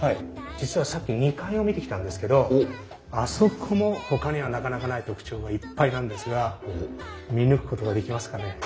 実はさっき２階を見てきたんですけどあそこもほかにはなかなかない特徴がいっぱいなんですが見抜くことができますかね？